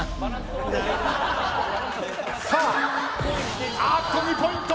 あっと２ポイント。